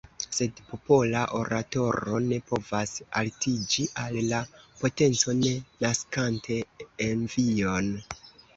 Sed popola oratoro ne povas altiĝi al la potenco, ne naskante envion.